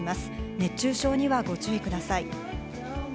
熱中症にはご注意ください。